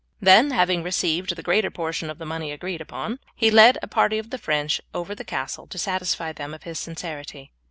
Then, having received the greater portion of the money agreed upon, he led a party of the French over the castle to satisfy them of his sincerity.